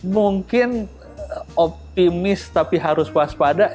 mungkin optimis tapi harus waspada